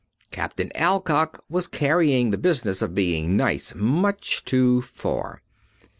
Captain Alcock was carrying the business of being nice much too far.